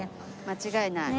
間違いない。